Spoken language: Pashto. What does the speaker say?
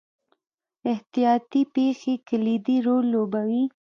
احتیاطي پېښې کلیدي رول لوبوي.